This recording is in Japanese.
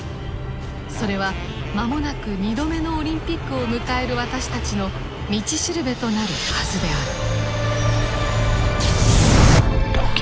それは間もなく２度目のオリンピックを迎える私たちの道しるべとなるはずである。